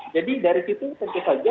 jadi dari situ tentu saja